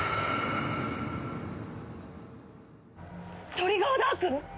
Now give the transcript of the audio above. トリガーダーク？